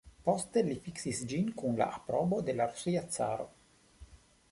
Poste li fiksis ĝin kun la aprobo de la Rusia Caro.